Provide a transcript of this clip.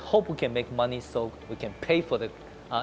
tapi yang paling penting adalah